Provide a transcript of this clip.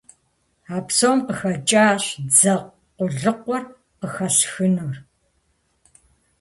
А псом къыхэкӀащ дзэ къулыкъур къыхэсхыныр.